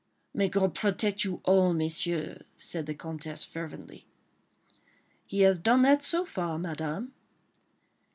"May God protect you all, Messieurs," said the Comtesse, fervently. "He has done that so far, Madame."